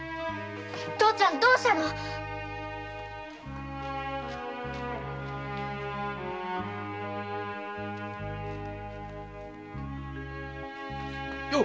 父ちゃんどうしたの⁉よう！